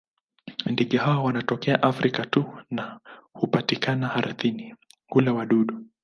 Ndege hawa wanatokea Afrika tu na hupatikana ardhini; hula wadudu.